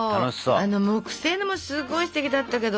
あの木製のもすごいすてきだったけど。